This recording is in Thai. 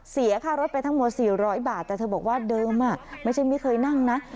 เสียค่ารถไปทั้งหมด๔๐๐บาทแต่เธอบอกว่าเดิมไม่ใช่ไม่เคยนั่งนะ